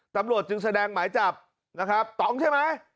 ตำรวจจึงแสดงหมายจับนะครับต้องใช่ไหม